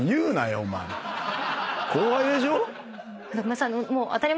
後輩でしょ。